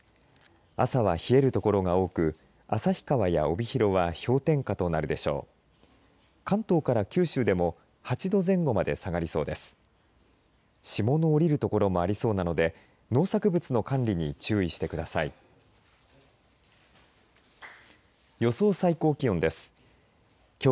朝は冷える所が多く旭川や帯広は氷点下となるでしょう。